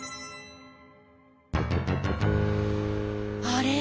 あれ？